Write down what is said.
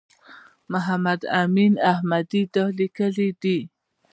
محمد امین احمدي دا لیکلي دي.